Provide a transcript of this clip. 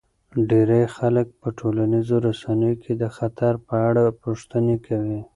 ډیری خلک په ټولنیزو رسنیو کې د خطر په اړه پوښتنې کوي.